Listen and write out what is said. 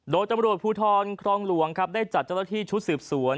โดยตำรวจภูทรครองหลวงครับได้จัดเจ้าหน้าที่ชุดสืบสวน